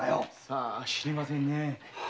さぁ知りませんね。